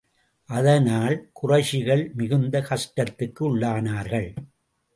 அதனால், குறைஷிகள் மிகுந்த கஷ்டத்துக்கு உள்ளானார்கள்.